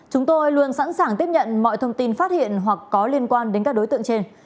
chúng tôi luôn sẵn sàng tiếp nhận mọi thông tin phát hiện hoặc có liên quan đến các đối tượng trên